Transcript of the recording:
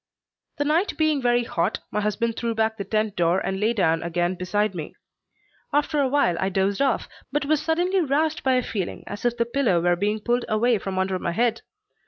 "The night being very hot, my husband threw back the tent door and lay down again beside me. After a while I dozed off, but was suddenly roused by a feeling as if the pillow were being pulled away from under my head.